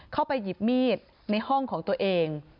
เข้าไปหยิบมีดในห้องของตัวเอง